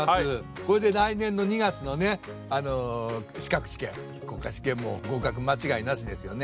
これで来年の２月のね資格試験国家試験も合格間違いなしですよね。